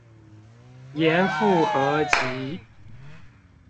嚴復合集